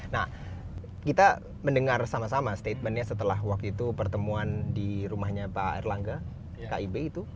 nah kita mendengar sama sama statementnya setelah waktu itu pertemuan di rumahnya pak erlangga kib itu